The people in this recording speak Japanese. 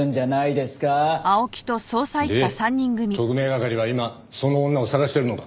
で特命係は今その女を捜してるのか？